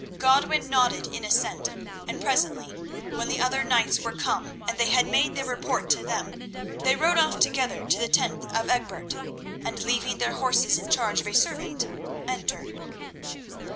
Godwin nodded in assent, and presently, when the other knights were come and they had made their report to them, they rode off together to the tent of Egbert, and, leaving their horses in charge of a servant, entered.